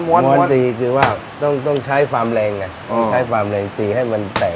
หมวนตีคือว่าต้องใช้ความแรงตีให้มันแตก